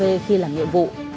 đây khi là nhiệm vụ